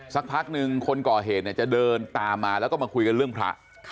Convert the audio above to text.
สักพักหนึ่งคนก่อเหตุจะเดินตามมาแล้วก็มาคุยกันเรื่องพระ